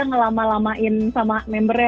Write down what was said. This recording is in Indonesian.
ngelama lamain sama membernya